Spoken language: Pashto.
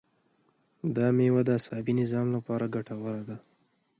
دا مېوه د عصبي نظام لپاره ګټوره ده.